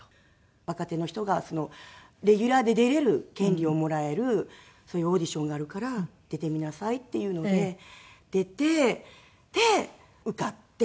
若手の人がレギュラーで出れる権利をもらえるそういうオーディションがあるから出てみなさいっていうので出てで受かって。